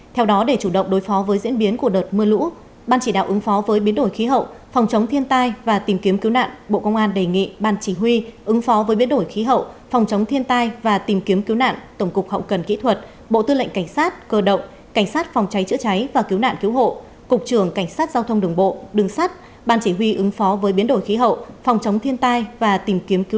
theo đó để chủ động đối phó với diễn biến của đợt mưa lũ ban chỉ đạo ứng phó với biến đổi khí hậu phòng chống thiên tai và tìm kiếm cứu nạn bộ công an đề nghị ban chỉ huy ứng phó với biến đổi khí hậu phòng chống thiên tai và tìm kiếm cứu nạn tổng cục hậu cần kỹ thuật bộ tư lệnh cảnh sát cơ động cảnh sát phòng cháy chữa cháy và cứu nạn cứu hộ cục trường cảnh sát giao thông đường bộ đường sát ban chỉ huy ứng phó với biến đổi khí hậu phòng chống thiên tai và tì